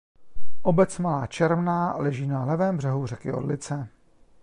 Obec Malá Čermná leží na levém břehu řeky Orlice.